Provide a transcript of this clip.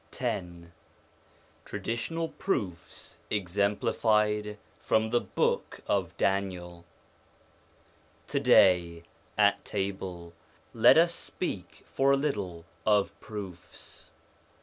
X TRADITIONAL PROOFS EXEMPLIFIED FROM THE BOOK OF DANIEL TO DAY, at table, let us speak for a little of proofs.